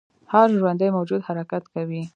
هر ژوندی موجود حرکت کوي